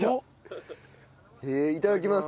いただきます。